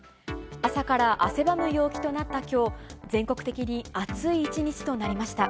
朝から汗ばむ陽気となったきょう、全国的に暑い一日となりました。